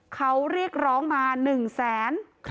เขาเรียกร้องมาหนึ่งแสน